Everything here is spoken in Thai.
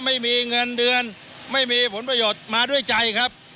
ไม่มีเงินเดือนไม่มีผลประโยชน์มาด้วยใจครับ